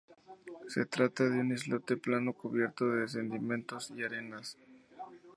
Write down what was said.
Se trata de un islote plano cubierto de sedimentos y arenas.